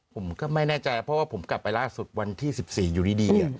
ผมก็ไม่แน่ใจเพราะว่าผมกลับไปล่าสุดวันที่๑๔อยู่ดี